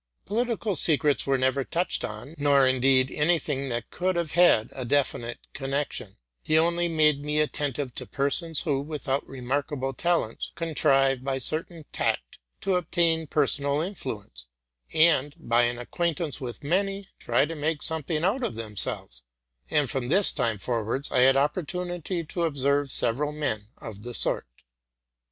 Political secrets were never touched on, nor, indeed, any thing that could have had a definite connection: he only made me at tentive to persons, who, without remarkable talents, contrive, by a certain tact, to obtain personal influence, and, by an acquaintance with many, try to make something out of them selves; and from this time forwards I had opportunity to observe several men of the sort.